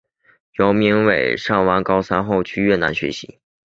姚明伟上完高三后去越南学习。